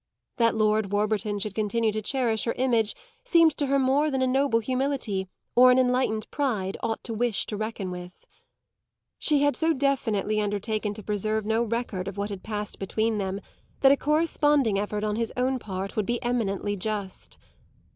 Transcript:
That Lord Warburton should continue to cherish her image seemed to her more than a noble humility or an enlightened pride ought to wish to reckon with. She had so definitely undertaken to preserve no record of what had passed between them that a corresponding effort on his own part would be eminently just.